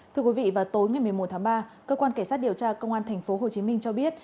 thưa quý vị vào tối ngày một mươi một tháng ba cơ quan cảnh sát điều tra công an tp hcm cho biết